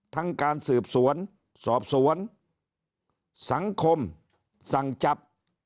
การสืบสวนสอบสวนสังคมสั่งจับ